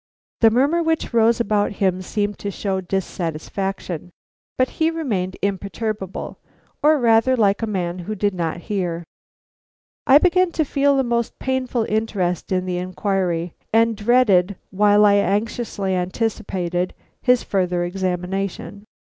The murmur which rose about him seemed to show dissatisfaction; but he remained imperturbable, or rather like a man who did not hear. I began to feel a most painful interest in the inquiry, and dreaded, while I anxiously anticipated, his further examination.